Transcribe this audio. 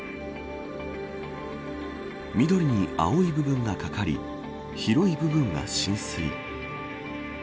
緑に青い部分がかかり広い部分が浸水。